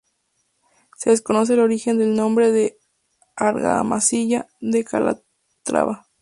Se desconoce el origen del nombre de Argamasilla de Calatrava.